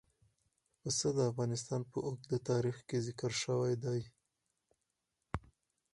پسه د افغانستان په اوږده تاریخ کې ذکر شوی دی.